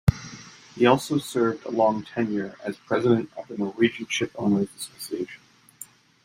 He also served a long tenure as president of the Norwegian Shipowners' Association.